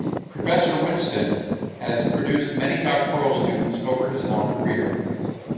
Professor Whinston has produced many doctoral students over his long career.